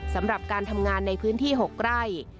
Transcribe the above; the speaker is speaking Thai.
สำหรับการทำงานในพื้นที่๖ไร่